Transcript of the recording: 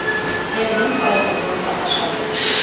Һеҙҙең ҡайғығыҙҙы уртаҡлашабыҙ.